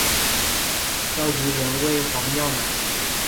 召集人为黄耀南。